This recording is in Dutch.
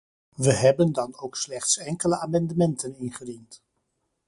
We hebben dan ook slechts enkele amendementen ingediend.